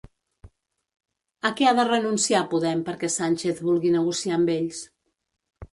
A què ha de renunciar Podem perquè Sánchez vulgui negociar amb ells?